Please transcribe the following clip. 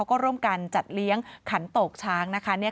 ก็ร่วมกันจัดเลี้ยงขันโตกช้างนะคะ